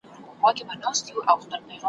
د لد ا ر مي نه راځي چه یو واردیدنونه راوړي